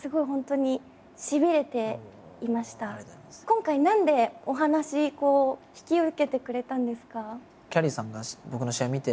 今回何でお話引き受けてくれたんですか？